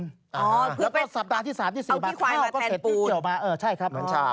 แล้วก็สัปดาห์ที่๓๔บาทข้าวก็เสร็จเกี่ยวมา